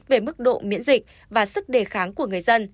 về mức độ miễn dịch và sức đề kháng của người dân